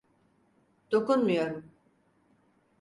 Dokunmuyorum.